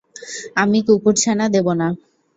আমি কুকুরছানা দেব না!